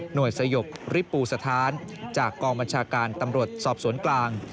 โดยสยบริปูสถานจากกองบัญชาการตำรวจสอบสวนกลาง